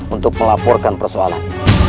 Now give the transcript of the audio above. untuk melaporkan persoalan